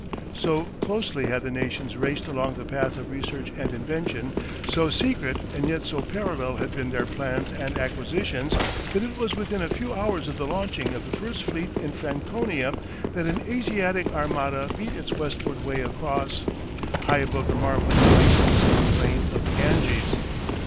So closely had the nations raced along the path of research and invention, so secret and yet so parallel had been their plans and acquisitions, that it was within a few hours of the launching of the first fleet in Franconia that an Asiatic Armada beat its west ward way across, high above the marvelling millions in the plain of the Ganges.